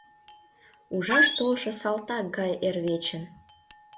«Ужаш толшо салтак гай эр вечын...»